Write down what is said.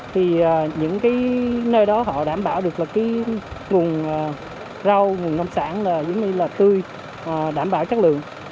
thì những cái nơi đó họ đảm bảo được là cái nguồn rau nguồn nông sản là tươi đảm bảo chất lượng